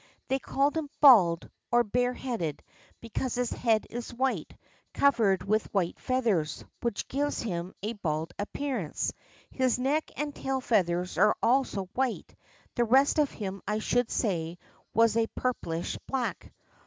. They call him bald, or bare headed, because his head is white, cov ered with white feathers, which gives him a bald appearance ; his neck and tail feathers are also white, the rest of him I should say was a purplish black.